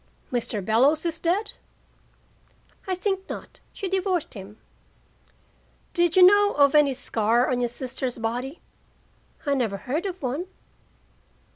"Mr. Bellows is dead?" "I think not. She divorced him." "Did you know of any scar on your sister's body?" "I never heard of one."